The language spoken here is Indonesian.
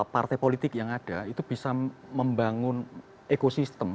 partai politik yang ada itu bisa membangun ekosistem